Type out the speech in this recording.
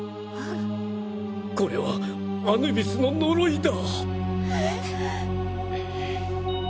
これはアヌビスの呪いだ。